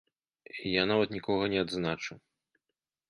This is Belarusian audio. Я нават нікога не адзначу.